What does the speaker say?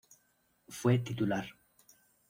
Fue titular